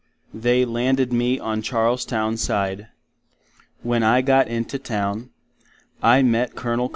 They landed me on Charlestown side. When I got into Town, I met Col.